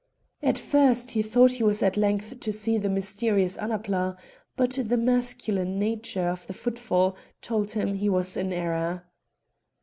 At first he thought he was at length to see the mysterious Annapla, but the masculine nature of the footfall told him he was in error.